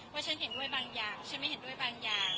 ฉันเห็นด้วยบางอย่างฉันไม่เห็นด้วยบางอย่าง